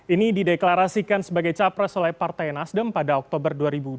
ini dideklarasikan sebagai capres oleh partai nasdem pada oktober dua ribu dua puluh